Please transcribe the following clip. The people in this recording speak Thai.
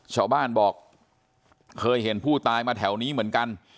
ชาวบ้านบอกเคยเห็นผู้ตายมาแถวนี้เหมือนกัน